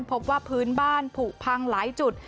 พบว่าพื้นบ้านผูกพังหลายจุด